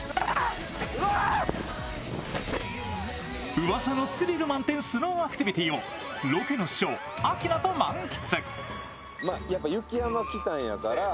うわさのスリル満点スノーアクティビティをロケの師匠・アキナと満喫。